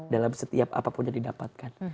dalam setiap apapun yang didapatkan